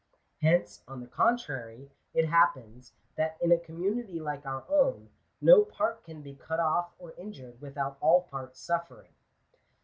Hence, on the contrary, it happens, that in a community like our own no part can be cut off or in jured without all parts suffering.